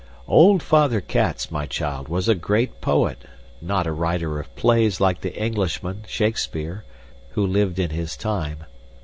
"Old Father Cats, my child, was a great poet, not a writer of plays like the Englishman, Shakespeare, who lived in his time.